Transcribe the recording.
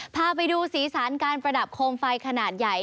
พาไปดูสีสันการประดับโคมไฟขนาดใหญ่